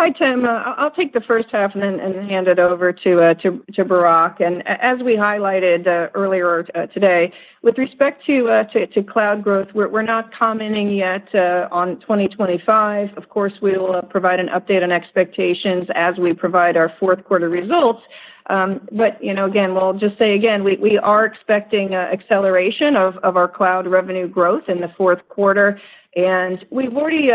Hi, Tim. I'll take the first half and then hand it over to Barak. And as we highlighted earlier today, with respect to cloud growth, we're not commenting yet on 2025. Of course, we will provide an update on expectations as we provide our Q4 results. But again, we'll just say again, we are expecting acceleration of our cloud revenue growth in the Q4. And we've already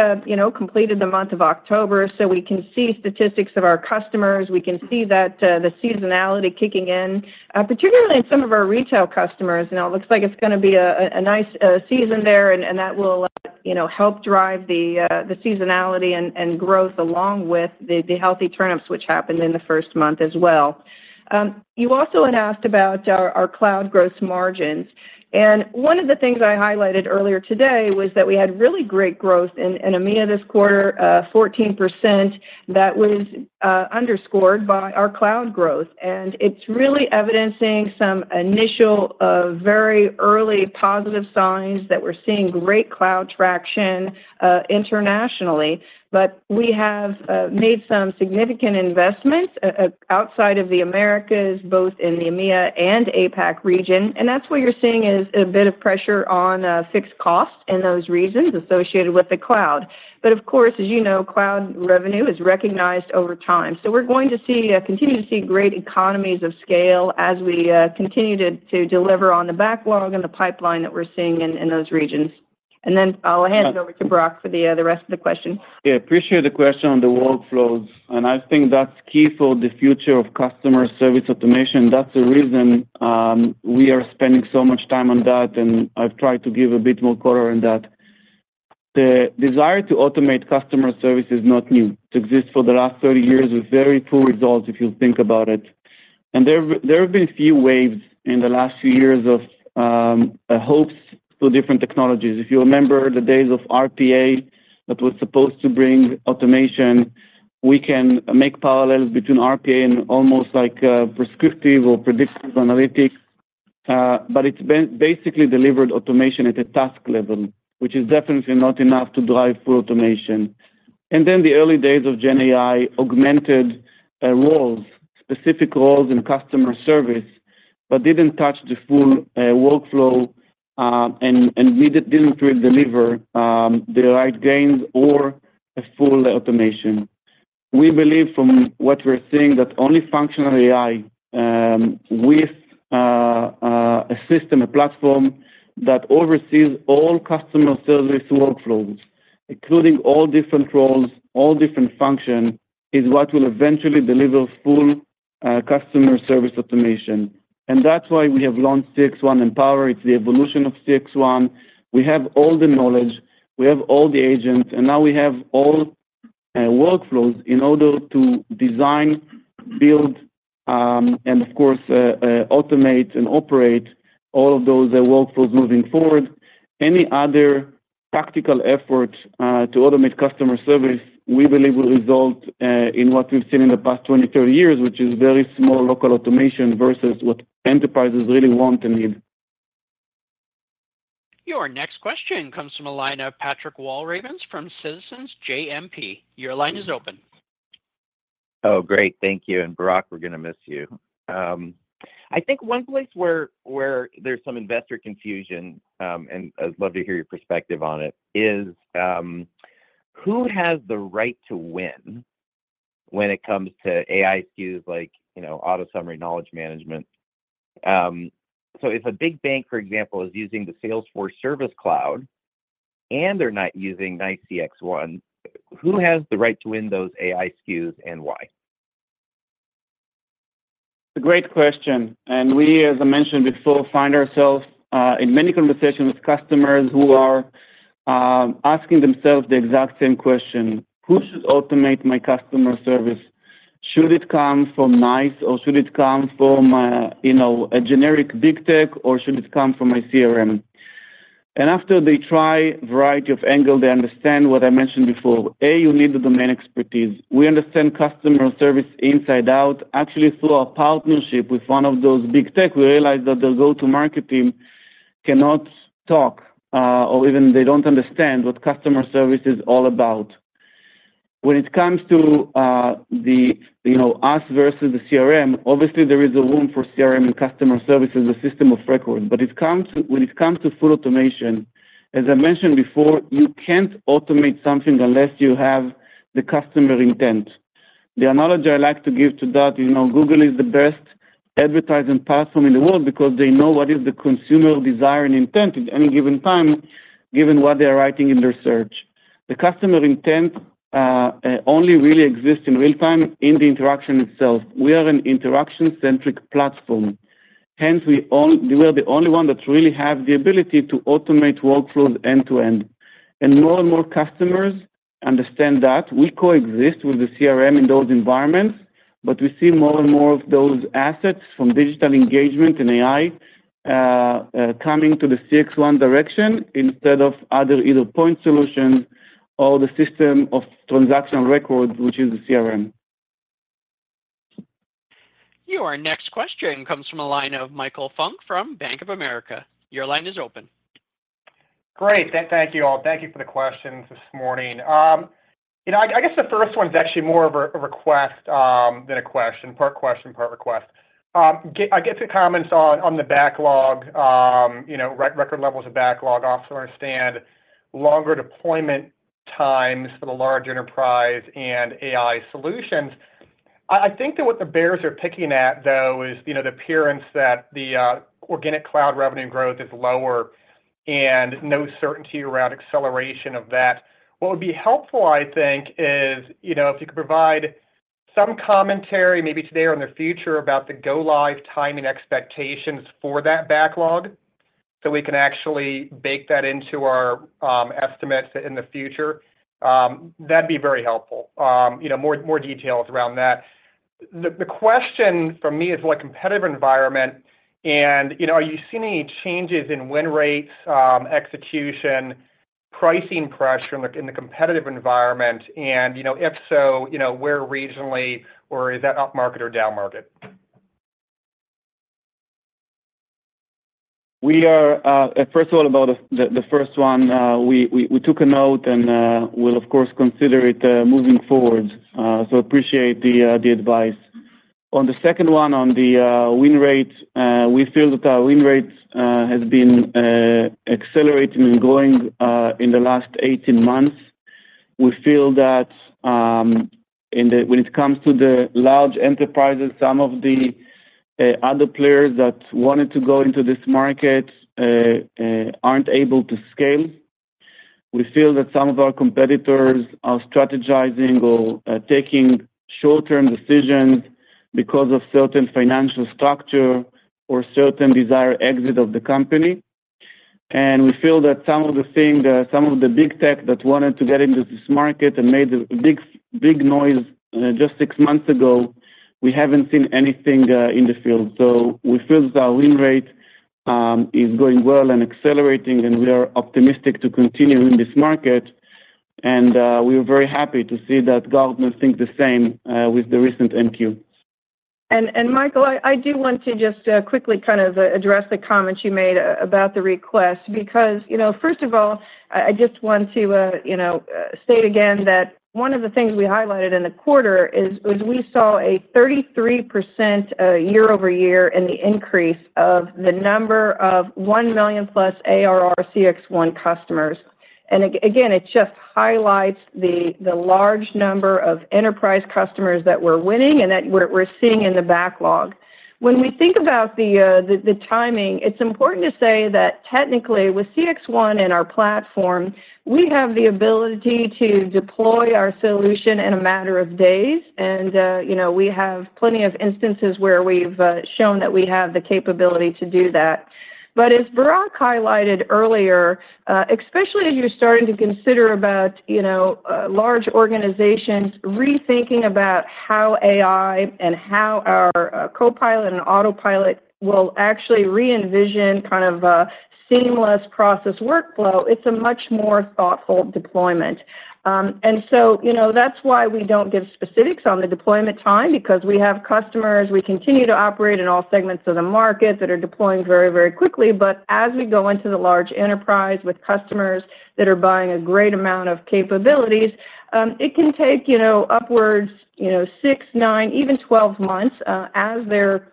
completed the month of October, so we can see statistics of our customers. We can see that the seasonality kicking in, particularly in some of our retail customers. It looks like it's going to be a nice season there, and that will help drive the seasonality and growth along with the healthy turn-ons which happened in the first month as well. You also had asked about our cloud growth margins. One of the things I highlighted earlier today was that we had really great growth in EMEA this quarter, 14%. That was underscored by our cloud growth. It's really evidencing some initial, very early positive signs that we're seeing great cloud traction internationally. We have made some significant investments outside of the Americas, both in the EMEA and APAC region. That's what you're seeing is a bit of pressure on fixed costs and those reasons associated with the cloud. Of course, as you know, cloud revenue is recognized over time. We're going to continue to see great economies of scale as we continue to deliver on the backlog and the pipeline that we're seeing in those regions. And then I'll hand it over to Barak for the rest of the question. Yeah, I appreciate the question on the workflows. And I think that's key for the future of customer service automation. That's the reason we are spending so much time on that, and I've tried to give a bit more color in that. The desire to automate customer service is not new. It exists for the last 30 years with very poor results, if you think about it. And there have been a few waves in the last few years of hopes for different technologies. If you remember the days of RPA that was supposed to bring automation, we can make parallels between RPA and almost like prescriptive or predictive analytics. But it's basically delivered automation at a task level, which is definitely not enough to drive full automation. And then the early days of GenAI augmented specific roles in customer service but didn't touch the full workflow and didn't really deliver the right gains or full automation. We believe, from what we're seeing, that only functional AI with a system, a platform that oversees all customer service workflows, including all different roles, all different functions, is what will eventually deliver full customer service automation. And that's why we have launched CXone Empower. It's the evolution of CXone. We have all the knowledge. We have all the agents. And now we have all workflows in order to design, build, and, of course, automate and operate all of those workflows moving forward. Any other tactical effort to automate customer service we believe will result in what we've seen in the past 20, 30 years, which is very small local automation versus what enterprises really want and need. Your next question comes from a line of Patrick Walravens from Citizens JMP. Your line is open. Oh, great. Thank you. And Barak, we're going to miss you. I think one place where there's some investor confusion, and I'd love to hear your perspective on it, is who has the right to win when it comes to AI SKUs like auto summary knowledge management? So if a big bank, for example, is using the Salesforce Service Cloud and they're not using NICE CXone, who has the right to win those AI SKUs and why? It's a great question. And we, as I mentioned before, find ourselves in many conversations with customers who are asking themselves the exact same question: Who should automate my customer service? Should it come from NICE, or should it come from a generic big tech, or should it come from a CRM? And after they try a variety of angles, they understand what I mentioned before. A, you need the domain expertise. We understand customer service inside out. Actually, through our partnership with one of those big tech, we realized that the go-to-market team cannot talk, or even they don't understand what customer service is all about. When it comes to us versus the CRM, obviously, there is a room for CRM and customer service as a system of record. But when it comes to full automation, as I mentioned before, you can't automate something unless you have the customer intent. The analogy I like to give to that is Google is the best advertising platform in the world because they know what is the consumer desire and intent at any given time, given what they are writing in their search. The customer intent only really exists in real-time in the interaction itself. We are an interaction-centric platform. Hence, we are the only one that really has the ability to automate workflows end-to-end. And more and more customers understand that. We coexist with the CRM in those environments, but we see more and more of those assets from digital engagement and AI coming to the CXone direction instead of other either point solutions or the system of transactional records, which is the CRM. Your next question comes from a line of Michael Funk from Bank of America. Your line is open. Great. Thank you all. Thank you for the questions this morning. I guess the first one is actually more of a request than a question, part question, part request. I get the comments on the backlog, record levels of backlog. I also understand longer deployment times for the large enterprise and AI solutions. I think that what the bears are picking at, though, is the appearance that the organic cloud revenue growth is lower and no certainty around acceleration of that. What would be helpful, I think, is if you could provide some commentary, maybe today or in the future, about the go-live timing expectations for that backlog so we can actually bake that into our estimates in the future. That'd be very helpful. More details around that. The question for me is, what competitive environment? And are you seeing any changes in win rates, execution, pricing pressure in the competitive environment? And if so, where regionally, or is that up market or down market? First of all, about the first one, we took a note and will, of course, consider it moving forward. So appreciate the advice. On the second one, on the win rate, we feel that our win rate has been accelerating and growing in the last 18 months. We feel that when it comes to the large enterprises, some of the other players that wanted to go into this market aren't able to scale. We feel that some of our competitors are strategizing or taking short-term decisions because of certain financial structure or certain desired exit of the company. And we feel that some of the things, some of the big tech that wanted to get into this market and made a big noise just six months ago, we haven't seen anything in the field. So we feel that our win rate is going well and accelerating, and we are optimistic to continue in this market. And we are very happy to see that Gartner thinks the same with the recent MQ. And Michael, I do want to just quickly kind of address the comments you made about the request because, first of all, I just want to state again that one of the things we highlighted in the quarter is we saw a 33% year-over-year in the increase of the number of one million plus ARR CXone customers. And again, it just highlights the large number of enterprise customers that we're winning and that we're seeing in the backlog. When we think about the timing, it's important to say that technically, with CXone and our platform, we have the ability to deploy our solution in a matter of days. And we have plenty of instances where we've shown that we have the capability to do that. But as Barak highlighted earlier, especially as you're starting to consider about large organizations rethinking about how AI and how our copilot and autopilot will actually re-envision kind of a seamless process workflow, it's a much more thoughtful deployment. And so that's why we don't give specifics on the deployment time because we have customers. We continue to operate in all segments of the market that are deploying very, very quickly. But as we go into the large enterprise with customers that are buying a great amount of capabilities, it can take upwards of six, nine, even 12 months as they're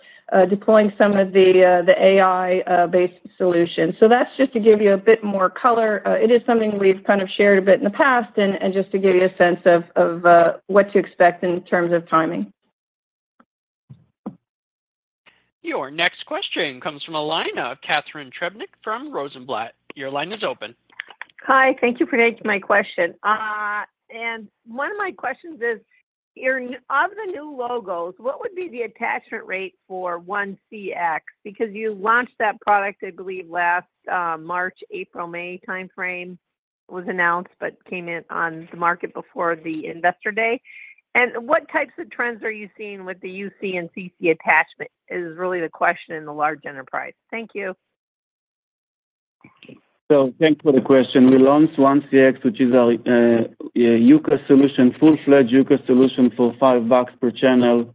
deploying some of the AI-based solutions. So that's just to give you a bit more color. It is something we've kind of shared a bit in the past and just to give you a sense of what to expect in terms of timing. Your next question comes from a line of Catherine Trebnik from Rosenblatt. Your line is open. Hi. Thank you for taking my question. And one of my questions is, of the new logos, what would be the attachment rate for 1CX? Because you launched that product, I believe, last March, April, May timeframe. It was announced but came in on the market before the investor day. And what types of trends are you seeing with the UCaaS and CCaaS attachment? It is really the question in the large enterprise. Thank you. So thanks for the question. We launched 1CX, which is a full-fledged UCaaS solution for 5 bucks per channel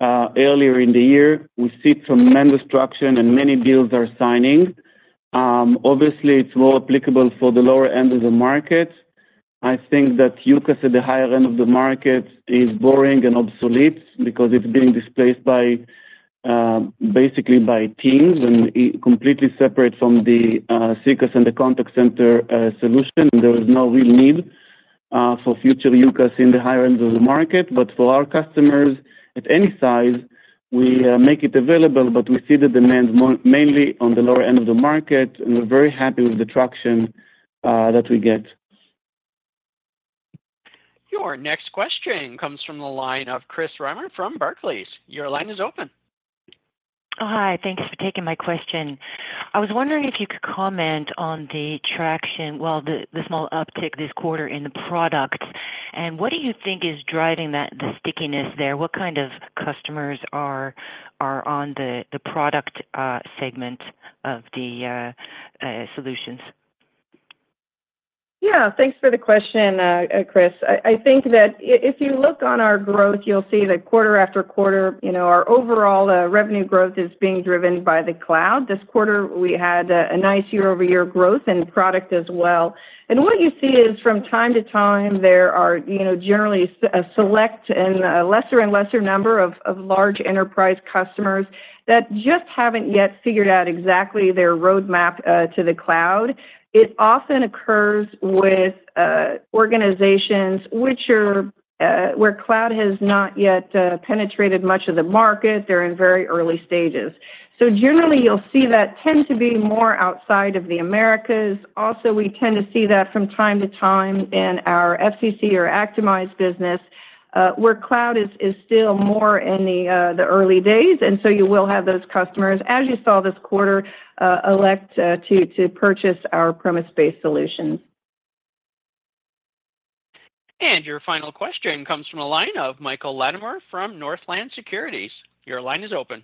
earlier in the year. We see tremendous traction, and many deals are signing. Obviously, it is more applicable for the lower end of the market. I think that UCaaS at the higher end of the market is boring and obsolete because it's being displaced basically by Teams and completely separate from the CCaaS and the contact center solution. And there is no real need for future UCaaS in the higher end of the market. But for our customers at any size, we make it available, but we see the demand mainly on the lower end of the market. And we're very happy with the traction that we get. Your next question comes from the line of Chris Reimer from Barclays. Your line is open. Hi. Thanks for taking my question. I was wondering if you could comment on the traction, well, the small uptick this quarter in the product. And what do you think is driving the stickiness there? What kind of customers are on the product segment of the solutions? Yeah. Thanks for the question, Chris. I think that if you look on our growth, you'll see that quarter after quarter, our overall revenue growth is being driven by the cloud. This quarter, we had a nice year-over-year growth in product as well. And what you see is, from time to time, there are generally a select and a lesser and lesser number of large enterprise customers that just haven't yet figured out exactly their roadmap to the cloud. It often occurs with organizations where cloud has not yet penetrated much of the market. They're in very early stages. So generally, you'll see that tend to be more outside of the Americas. Also, we tend to see that from time to time in our FCC or Actimize business, where cloud is still more in the early days. And so you will have those customers, as you saw this quarter, elect to purchase our premise-based solutions. And your final question comes from a line of Michael Latimore from Northland Securities. Your line is open.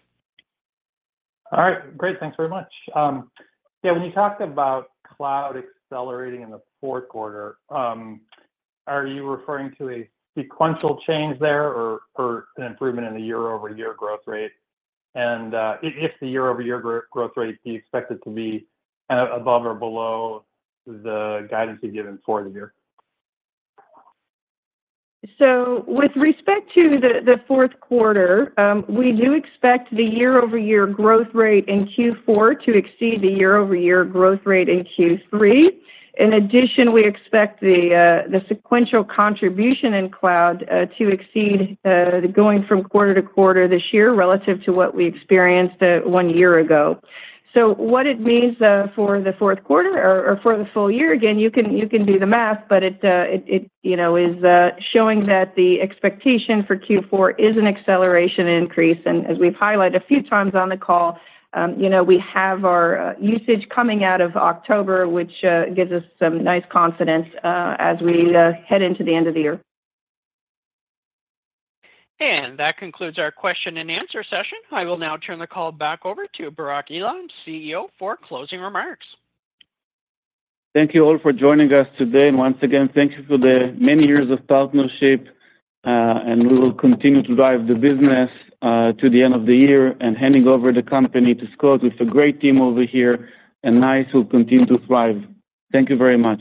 All right. Great. Thanks very much. Yeah. When you talk about cloud accelerating in the Q4, are you referring to a sequential change there or an improvement in the year-over-year growth rate? And if the year-over-year growth rate, do you expect it to be above or below the guidance you've given for the year? So with respect to the Q4, we do expect the year-over-year growth rate in Q4 to exceed the year-over-year growth rate in Q3. In addition, we expect the sequential contribution in cloud to exceed going from quarter-to-quarter this year relative to what we experienced one year ago. So what it means for the Q4 or for the full year, again, you can do the math, but it is showing that the expectation for Q4 is an acceleration increase. And as we've highlighted a few times on the call, we have our usage coming out of October, which gives us some nice confidence as we head into the end of the year. And that concludes our question and answer session. I will now turn the call back over to Barak Eilam, CEO, for closing remarks. Thank you all for joining us today. And once again, thank you for the many years of partnership. And we will continue to drive the business to the end of the year and handing over the company to Scott with a great team over here. And NICE will continue to thrive. Thank you very much.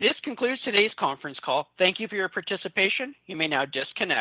This concludes today's conference call. Thank you for your participation. You may now disconnect.